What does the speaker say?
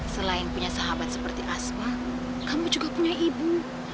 selain punya sahabat seperti asma kamu juga punya ibu